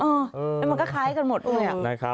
แล้วมันก็คล้ายกันหมดด้วย